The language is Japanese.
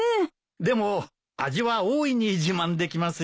でも味は大いに自慢できますよ。